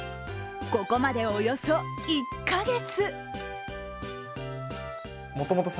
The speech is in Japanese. ここまで、およそ１カ月。